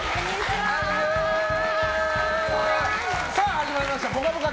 始まりました「ぽかぽか」